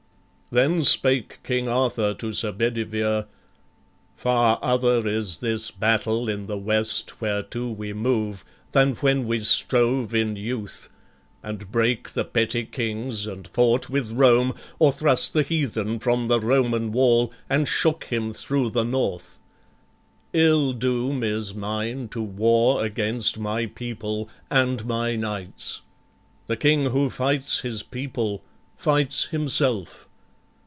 Then spake King Arthur to Sir Bedivere: "Far other is this battle in the west Whereto we move, than when we strove in youth, And brake the petty kings, and fought with Rome, Or thrust the heathen from the Roman wall, And shook him thro' the north. Ill doom is mine To war against my people and my knights. The king who fights his people fights himself.